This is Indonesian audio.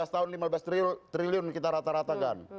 lima belas tahun lima belas triliun kita rata ratakan